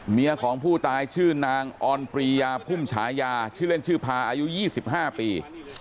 ของผู้ตายชื่อนางออนปรียาพุ่มฉายาชื่อเล่นชื่อพาอายุ๒๕ปี